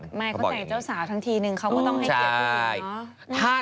คนไหนเจ้าสาวทั้งทีนึงเค้าก็ต้องให้เก็บเออ